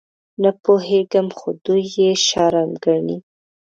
_نه پوهېږم، خو دوی يې شرم ګڼي.